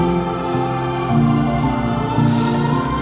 aku mau denger